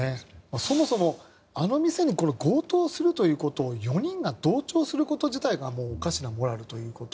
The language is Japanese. そもそもあの店に強盗するということを４人が同調すること自体がおかしなモラルということ。